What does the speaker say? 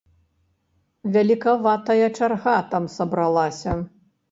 Велікаватая чарга там сабралася.